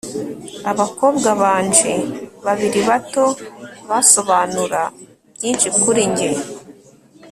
abakobwa banje babiri bato basobanura byinshi kuri njye